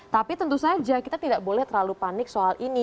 tapi tentu saja kita tidak boleh terlalu panik soal ini